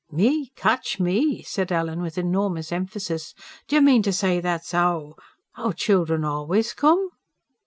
"ME ...? Catch me!" said Ellen, with enormous emphasis. "D'yer mean to say that's 'ow ... 'ow the children always come?"